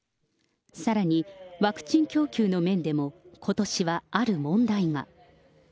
さらに、ワクチン供給の面でもことしはある問題が。